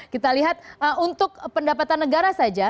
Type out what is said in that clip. kita lihat untuk pendapatan negara saja